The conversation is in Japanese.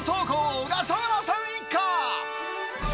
小笠原さん一家。